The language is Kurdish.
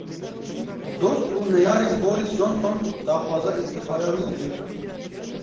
Dost û neyarên Boris Johnson daxwaza îstîfaya wî dikin.